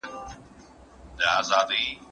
روښانه فکر روغتیا نه دروي.